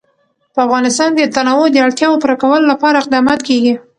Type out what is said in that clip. په افغانستان کې د تنوع د اړتیاوو پوره کولو لپاره اقدامات کېږي.